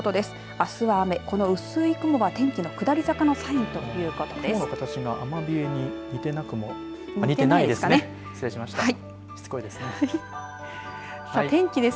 あすは雨、この薄い雲が天気の下り坂のサインということです。